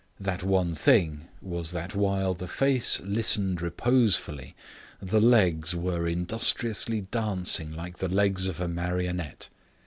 That one thing was that while the face listened reposefully the legs were industriously dancing like the legs of a marionette.